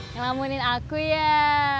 ngelamunin aku ya